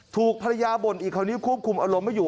ถูกภรรยาบ่นอีกคราวนี้ควบคุมอารมณ์ไม่อยู่